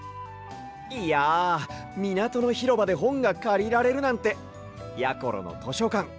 いやみなとのひろばでほんがかりられるなんてやころのとしょかん